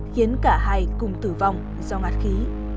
khiến cả hai cùng tử vong do ngạt khí